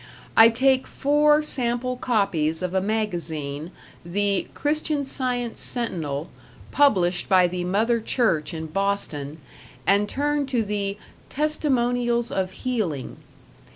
I take four sample copies of a magazine, the "Christian Science Sentinel", published by the Mother Church in Boston, and turn to the "Testimonials of Healing".